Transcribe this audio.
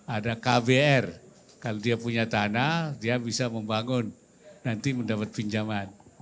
ada kbr kalau dia punya tanah dia bisa membangun nanti mendapat pinjaman